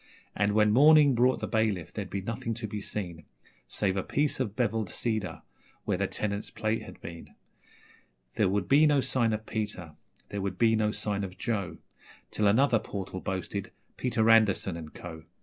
And when morning brought the bailiff there'd be nothing to be seen Save a piece of bevelled cedar where the tenant's plate had been; There would be no sign of Peter there would be no sign of Joe Till another portal boasted 'Peter Anderson and Co.'